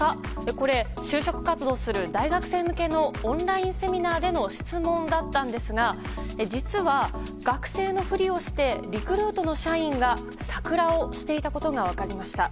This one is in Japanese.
これ、就職活動する大学生向けのオンラインセミナーでの質問だったんですが実は学生のふりをしてリクルートの社員がサクラをしていたことが分かりました。